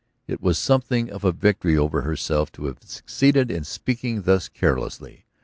It was something of a victory over herself to have succeeded in speaking thus carelessly.